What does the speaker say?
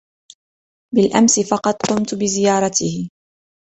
بالأمس فقط قمت بزيارته.